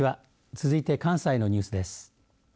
続いて関西のニュースです。